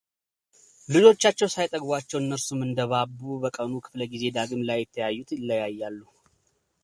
ልጆቻቸው ሳይጠግቧቸው እነርሱም እንደባቡ በቀኑ ክፍለ ጊዜ ዳግም ላይተያዩ ይለያያሉ።